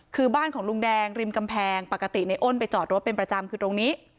คือบ้านของลุงแดงริมกำแพงปกติในอ้นไปจอดรถเป็นประจำคือตรงนี้